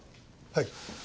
はい。